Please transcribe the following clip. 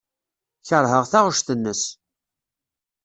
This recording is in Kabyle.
Keṛheɣ taɣect-nnes.